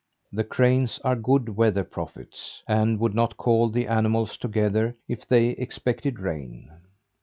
The cranes are good weather prophets, and would not call the animals together if they expected rain.